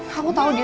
kamu sama dia